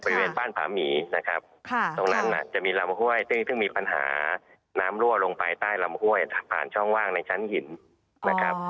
บริเวณบ้านผาหมีนะครับตรงนั้นจะมีลำห้วยซึ่งมีปัญหาน้ำรั่วลงไปใต้ลำห้วยผ่านช่องว่างในชั้นหินนะครับ